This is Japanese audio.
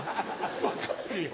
分かってるよ！